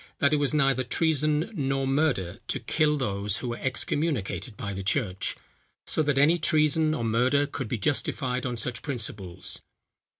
that it was neither treason nor murder to kill those, who were excommunicated by the church. So that any treason or murder could be justified on such principles.